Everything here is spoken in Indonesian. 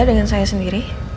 dengan saya sendiri